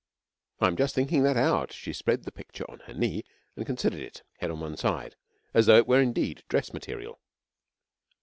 'I'm just thinking that out.' She spread the picture on her knee and considered it, head to one side, as though it were indeed dress material.